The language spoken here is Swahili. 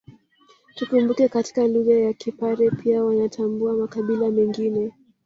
Tukumbuke katika lugha ya Kipare pia wanatambua makabila mengine